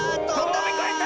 とびこえた！